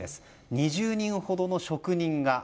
２０人ほどの職人が。